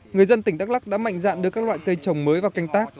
người dân tỉnh đắk lắc đã mạnh dạn đưa các loại cây trồng mới vào canh tác